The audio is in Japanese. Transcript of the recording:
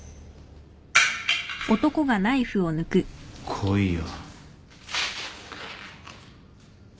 来いよ。